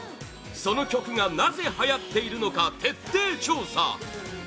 その曲がなぜ、はやっているのか徹底調査！